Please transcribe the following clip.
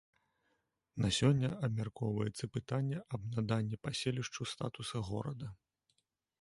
На сёння абмяркоўваецца пытанне аб наданні паселішчу статуса горада.